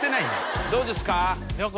どうですか？